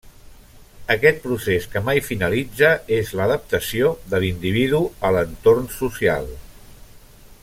Aquest procés que mai finalitza és l'adaptació de l'individu a l'entorn social.